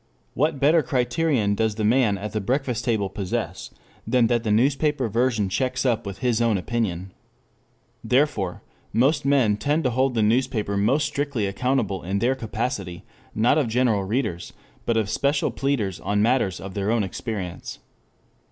What better criterion does the man at the breakfast table possess than that the newspaper version checks up with his own opinion? Therefore, most men tend to hold the newspaper most strictly accountable in their capacity, not of general readers, but of special pleaders on matters of their own experience.